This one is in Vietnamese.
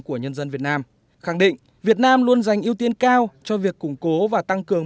của nhân dân việt nam khẳng định việt nam luôn dành ưu tiên cao cho việc củng cố và tăng cường